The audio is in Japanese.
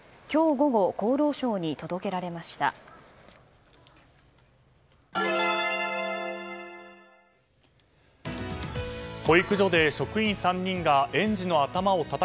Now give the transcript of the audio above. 午後、厚労省に届けられました。